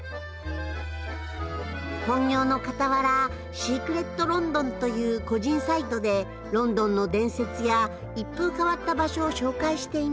本業のかたわらＳｅｃｒｅｔＬｏｎｄｏｎという個人サイトでロンドンの伝説や一風変わった場所を紹介しています。